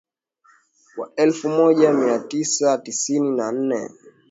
Wa elfu moja mia tisa tisini na nne